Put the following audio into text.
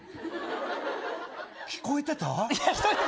聞こえてた。